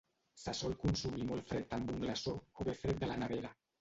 Se sol consumir molt fred amb un glaçó o bé fred de la nevera.